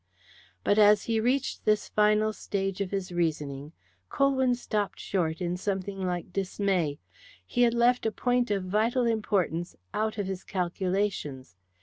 But as he reached this final stage of his reasoning, Colwyn stopped short in something like dismay. He had left a point of vital importance out of his calculations.